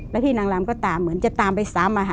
แล้วพี่นางลำก็ตามเหมือนจะตามไปซ้ำ